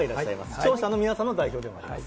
視聴者の皆さんの代表でもあります。